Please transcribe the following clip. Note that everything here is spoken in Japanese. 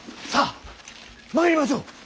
さあ参りましょう！